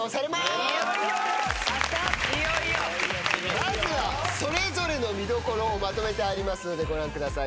まずはそれぞれの見どころをまとめてありますのでご覧ください。